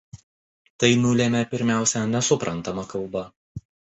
Tai nulėmė pirmiausia nesuprantama kalba.